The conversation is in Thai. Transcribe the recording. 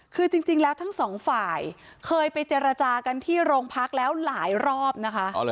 คือจริงแล้วทั้งสองฝ่ายเคยไปเจรจากันที่โรงพักแล้วหลายรอบนะคะ